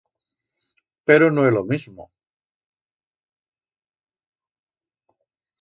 Pero no é lo mesmo.